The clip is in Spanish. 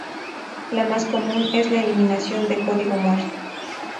La más común es la eliminación de código muerto.